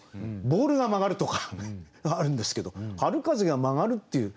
「ボールが曲がる」とかはあるんですけど「春風が曲がる」っていう。